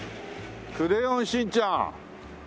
『クレヨンしんちゃん』。